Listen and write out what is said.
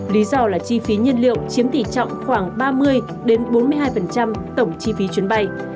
lý do là chi phí nhiên liệu chiếm tỷ trọng khoảng ba mươi bốn mươi hai tổng chi phí chuyến bay